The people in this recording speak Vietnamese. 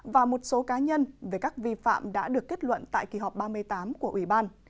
và một số cá nhân về các vi phạm đã được kết luận tại kỳ họp ba mươi tám của ủy ban